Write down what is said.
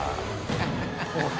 ハハハ